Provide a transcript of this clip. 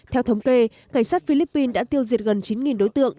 theo thống kê cảnh sát philippines đã tiêu diệt gần chín đối tượng